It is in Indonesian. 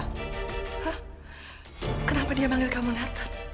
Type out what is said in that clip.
hah kenapa dia panggil kamu nathan